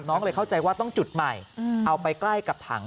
น้องเลยเข้าใจว่าต้องจุดใหม่เอาไปใกล้กับถัง